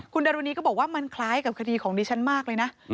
คุณดารุณีก็บอกว่ามันคล้ายกับคดีของดิฉันมากเลยนะ